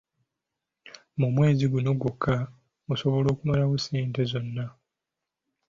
Mu mwezi gumu gwokka osobola okumalawo ssente zonna.